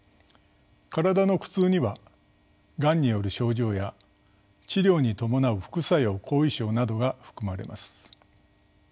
「身体の苦痛」にはがんによる症状や治療に伴う副作用・後遺症などが含まれます。